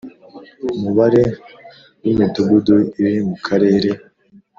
umubare w Imidugudu iri mu Karere